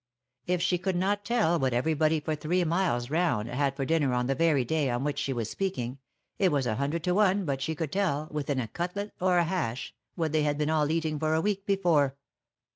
If she could not tell what every body for three miles round had for dinner on the very day on which she was speaking, it was a hundred to one but she could tell, within a cutlet or a hash, what they had been all eating for a week before.